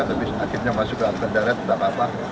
tapi akhirnya masuk ke akademi darat tak apa